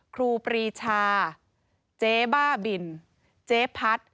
ครูปรีชาเจ๊บ้าบินเจ๊พัด